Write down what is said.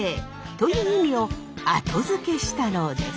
という意味を後付けしたのです。